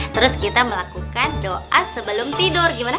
terus kita melakukan doa sebelum tidur gimana